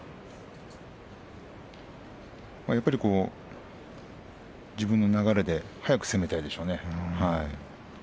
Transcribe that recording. やっぱり自分の流れで速く攻めたいでしょうね。